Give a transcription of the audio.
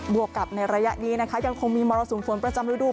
วกกับในระยะนี้นะคะยังคงมีมรสุมฝนประจำฤดู